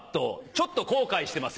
ちょっと後悔してます